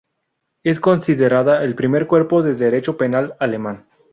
Es considerada el primer cuerpo de derecho penal alemán.